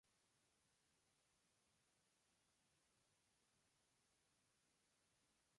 Está basada en una historia de Robert Buckner y está filmada en Technicolor.